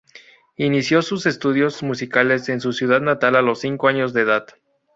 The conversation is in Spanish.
Inició sus estudios musicales en su ciudad natal a los cinco años de edad.